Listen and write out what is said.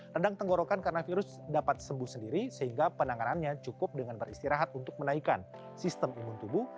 rendang tenggorokan karena virus dapat sembuh sendiri sehingga penanganannya cukup dengan beristirahat untuk menaikkan sistem imun tubuh